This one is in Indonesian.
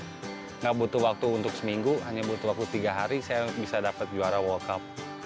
tidak butuh waktu untuk seminggu hanya butuh waktu tiga hari saya bisa dapat juara world cup